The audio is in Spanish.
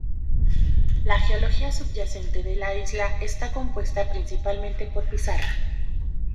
La geología subyacente de la isla está compuesta principalmente por pizarra.